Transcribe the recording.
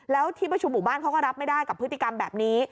แล้วที่ประชุมหมู่บ้านเขาก็รับไม่ได้กับพฤติกรรมแบบนี้